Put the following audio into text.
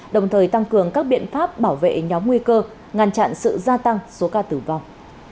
đồng thời tăng cường các biện pháp bảo vệ nhóm nguy cơ ngăn chặn sự gia tăng số ca tử vong